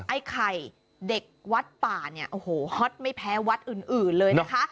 ไอ้ไข่เด็กวัดป่าเนี่ยโอ้โหฮอตไม่แพ้วัดอื่นเลยนะคะ